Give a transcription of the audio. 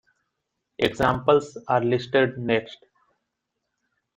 Examples are listed next.